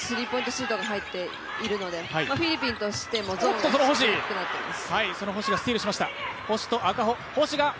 シュートが入っているのでフィリピンとしてもゾーンをしにくくなっています。